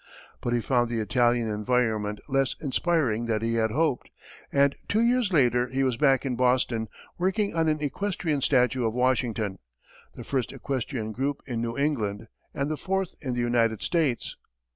But he found the Italian environment less inspiring than he had hoped, and two years later he was back in Boston, working on an equestrian statue of Washington the first equestrian group in New England and the fourth in the United States.